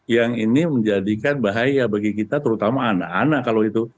yang ini menjadikan bahaya bagi kita terutama anak anak kalau itu